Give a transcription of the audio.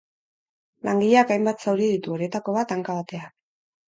Langileak hainbat zauri ditu, horietako bat hanka batean.